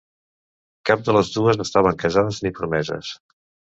Cap de les dues estaven casades ni promeses.